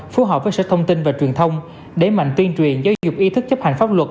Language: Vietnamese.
phù hợp với sở thông tin và truyền thông để mạnh tuyên truyền giáo dục ý thức chấp hành pháp luật